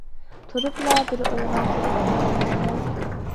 تۇرۇپلا بىر ئويغا كېلىپ قالدىم دەڭا.